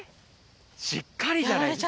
しっかりじゃないですか。